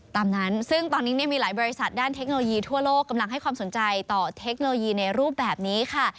ตามนั้นซึ่งตอนนี้มีหลายบริษัทด้านเทคโนโลยีทั่วโลกกำลังให้ความสนใจต่อเทคโนโลยีในรูปแบบนี้ค่ะ